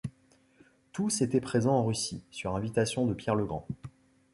Tous étaient présents en Russie sur invitation de Pierre le Grand.